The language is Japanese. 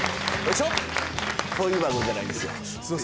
そういう番組じゃないんですよ